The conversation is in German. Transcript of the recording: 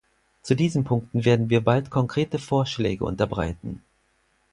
Zu diesen Punkten werden wir bald konkrete Vorschläge unterbreiten.